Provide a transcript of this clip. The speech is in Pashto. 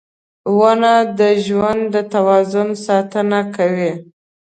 • ونه د ژوند د توازن ساتنه کوي.